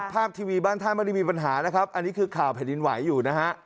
ทีวีบ้านท่านไม่ได้มีปัญหานะครับอันนี้คือข่าวแผ่นดินไหวอยู่นะฮะ